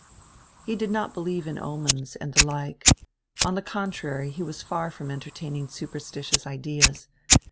He did not believe in omens and the like; on the con trary, he was far from entertaining superstitious ideas.